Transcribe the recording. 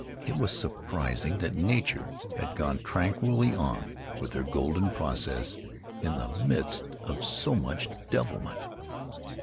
It was surprising that Nature had gone tranquilly on with her golden process in the midst of so much devilment.